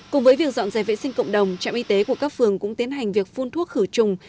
cùng với việc dọn dẹp vệ sinh cộng đồng trạm y tế của các phường cũng tiến hành việc phun thuốc khử trùng